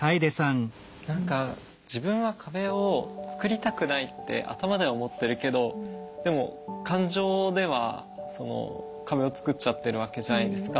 何か自分は壁を作りたくないって頭では思ってるけどでも感情では壁を作っちゃってるわけじゃないですか。